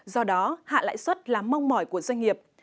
do đó hạ lãi xuất là mong mỏi của doanh nghiệp